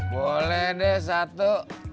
boleh deh satu